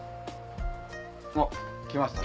おっ来ました。